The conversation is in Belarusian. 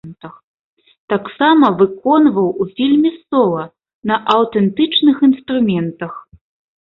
Таксама выконваў ў фільме сола на аўтэнтычных інструментах.